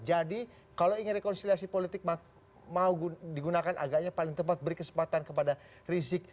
jadi kalau ingin rekonsiliasi politik mau digunakan agaknya paling tepat beri kesempatan kepada rizik